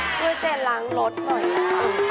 ช่วยเจนล้างรถหน่อยนะครับ